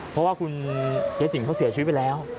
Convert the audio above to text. เพราะว่าคุณยายสิงเขาเสียชีวิตไปแล้ว